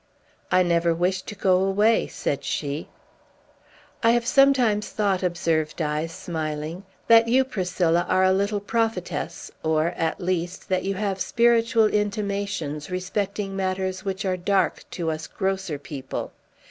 "I never wish to go away," said she. "I have sometimes thought," observed I, smiling, "that you, Priscilla, are a little prophetess, or, at least, that you have spiritual intimations respecting matters which are dark to us grosser people.